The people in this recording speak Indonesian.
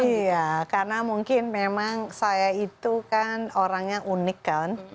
iya karena mungkin memang saya itu kan orangnya unik kan